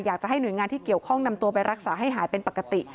อยากจะให้หน่วยงานที่เกี่ยวข้องนำตัวไปรักษาให้หายเป็นปกติ